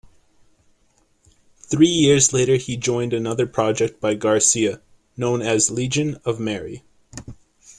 Three years later he joined another project by Garcia known as Legion of Mary.